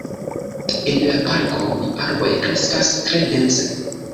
En la parko arboj kreskas tre dense.